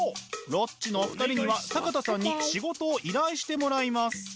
ロッチのお二人には坂田さんに仕事を依頼してもらいます。